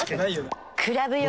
「クラブよ！」